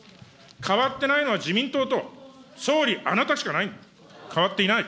変わってないのは自民党と総理、あなたしかいない、変わっていない。